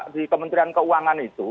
di kementerian keuangan itu